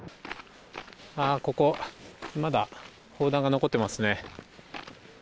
ここ、まだ砲弾が残ってます